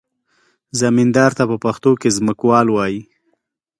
زمیندار ته په پښتو کې ځمکوال وایي.